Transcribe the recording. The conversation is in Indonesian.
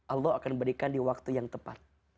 allah akan berikan di waktu yang tepat